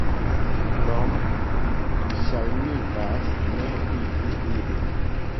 Klomp ŝajnigas ne vidi ilin.